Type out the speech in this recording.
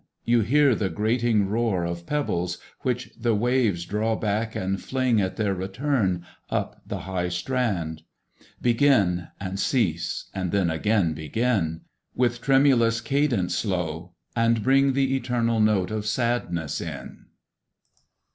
you hear the grating roar Of pebbles which the waves draw back, and fling, At their return, up the high strand, Begin, and cease, and then again begin, With tremulous cadence slow, and bring The eternal note of sadness in.